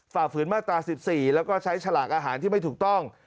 ฝืนมาตรา๑๔แล้วก็ใช้ฉลากอาหารที่ไม่ถูกต้อง